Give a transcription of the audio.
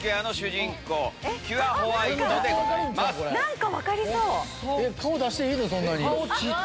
何か分かりそう！